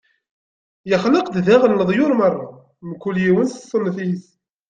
Ixleq-d daɣen leḍyur meṛṛa, mkul yiwen s ṣṣenf-is.